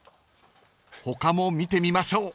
［他も見てみましょう］